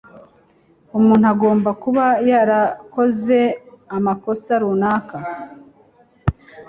Umuntu agomba kuba yarakoze amakosa runaka.